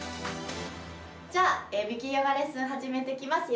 じゃあ美筋ヨガレッスン始めていきます。